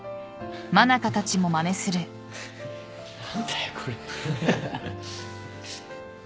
・何だよ？これ。